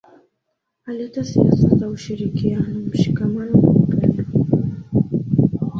aleta siasa za ushirikiano mshikamano na upendo